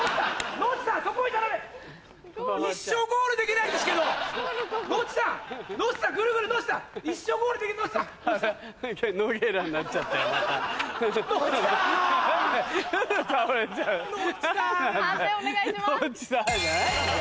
「ノッチさん」じゃないんだよ。